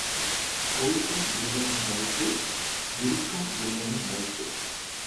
குவிக்கும் வில்லையின் மதிப்பு விரிக்கும் வில்லையின் மதிப்பு.